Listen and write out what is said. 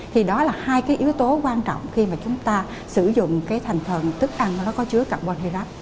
thì đó là hai cái yếu tố quan trọng khi mà chúng ta sử dụng cái thành thần tức ăn nó có chứa carbon hydrab